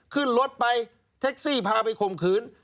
ขึ้นรถไปแท็กซี่พาไปข่มขืน